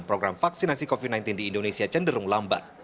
program vaksinasi covid sembilan belas di indonesia cenderung lambat